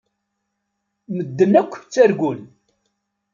Medden akk ttargun.